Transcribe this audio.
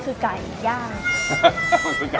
สวัสดีครับ